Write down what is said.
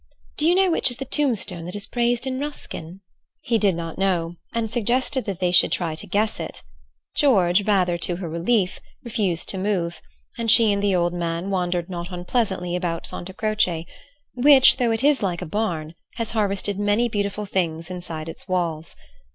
Do you know which is the tombstone that is praised in Ruskin?" He did not know, and suggested that they should try to guess it. George, rather to her relief, refused to move, and she and the old man wandered not unpleasantly about Santa Croce, which, though it is like a barn, has harvested many beautiful things inside its walls.